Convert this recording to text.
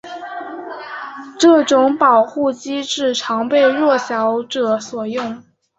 这种保护机制常被弱小者所用。